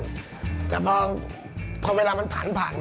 แต่พอเวลามันผ่านผ่าน